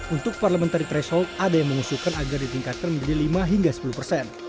untuk parliamentary threshold ada yang mengusulkan agar ditingkatkan menjadi lima hingga sepuluh persen